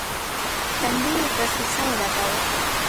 تندی يې پر ښيښه ولګاوه.